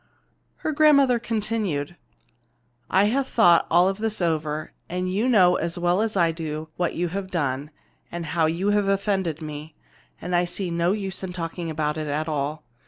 Her grandmother continued, "I have thought this all over and you know as well as I do what you have done, and how you have offended me, and I see no use in talking about it at all.